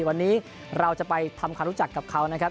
วันนี้เราจะไปทำคำรู้จักกับเขา